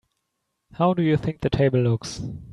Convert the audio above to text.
How do you think the table looks?